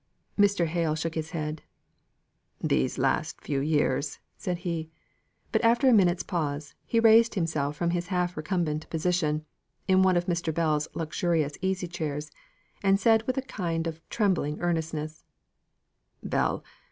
Mr. Hale shook his head. "These last few years!" said he. But after a minute's pause, he raised himself from his half recumbent position, in one of Mr. Bell's luxurious easy chairs, and said with a kind of trembling earnestness: "Bell!